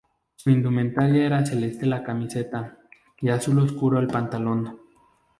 Su indumentaria era celeste la camiseta y azul oscuro el pantalón.